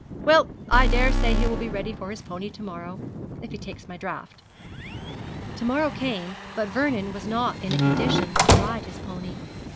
Well, I dare say he will be ready for his pony to morrow, if he takes my draught.' To morrow came, but Vernon was not in a condition to ride his pony.